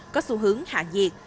có xu hướng hạ nhiệt